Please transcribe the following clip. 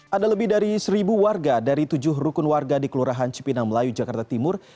ada lebih dari seribu warga dari tujuh rukun warga di kelurahan cipinang melayu jakarta timur